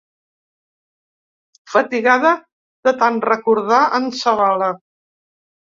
Fatigada de tant recordar en Zabala.